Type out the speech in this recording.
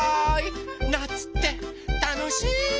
なつってたのしい！